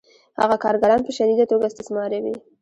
هغه کارګران په شدیده توګه استثماروي